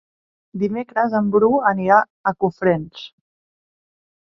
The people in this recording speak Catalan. Dimecres en Bru anirà a Cofrents.